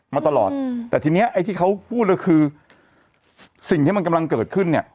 มาตลอดอืมแต่ทีนี้ไอ้ที่เขาพูดก็คือสิ่งที่มันกำลังเกิดขึ้นเนี่ย